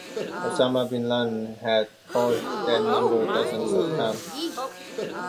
Osama bin Laden had called that number dozens of times.